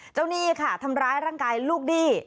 หนี้ค่ะทำร้ายร่างกายลูกหนี้